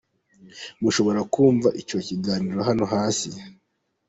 Mushobora kumva icyo kiganiro hano hasi